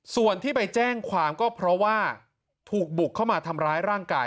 ส่วนที่ไปแจ้งความก็เพราะว่าถูกบุกเข้ามาทำร้ายร่างกาย